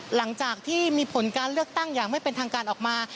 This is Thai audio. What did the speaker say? หลังจากที่มีผลการเลือกตั้งอย่างไม่เป็นทางการออกมา